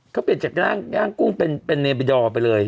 เขาเปลี่ยนจากย่างกุ้งเป็นเนบิดอร์ไปเลย